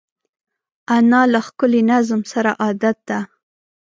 انا له ښکلي نظم سره عادت ده